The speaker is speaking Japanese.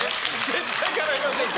絶対かないません。